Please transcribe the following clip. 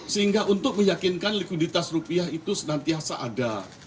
sehingga untuk meyakinkan likuiditas rupiah itu senantiasa ada